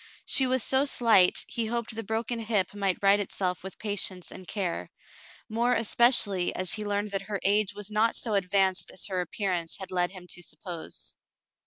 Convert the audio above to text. She was so slight he hoped the broken hip might right itself wdth patience and care, more especially as he learned that her age was not so advanced as her appearance had led him to suppose.